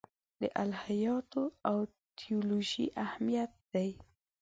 د الهیاتو او تیولوژي اهمیت دی.